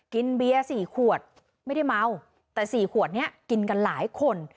เบียร์๔ขวดไม่ได้เมาแต่๔ขวดนี้กินกันหลายคน